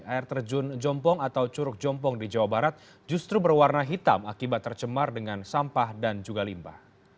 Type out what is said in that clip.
air terjun jompong atau curug jompong di jawa barat justru berwarna hitam akibat tercemar dengan sampah dan juga limbah